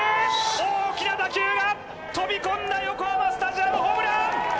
大きな打球が飛び込んだ横浜スタジアム、ホームラン！